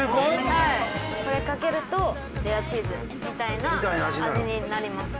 これかけるとレアチーズみたいな味になります。